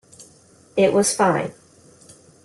It was fine.